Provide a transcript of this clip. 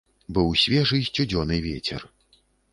Быў свежы сцюдзёны вецер.